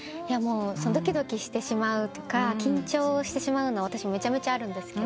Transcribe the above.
ドキドキしてしまうとか緊張してしまうのは私めちゃめちゃあるんですけど。